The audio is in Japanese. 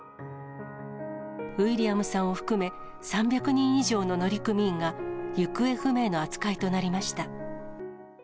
ウィリアムさんを含め、３００人以上の乗組員が、行方不明の扱いとなりました。